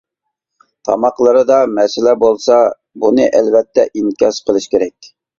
تاماقلىرىدا مەسىلە بولسا، بۇنى ئەلۋەتتە ئىنكاس قىلىش كېرەك.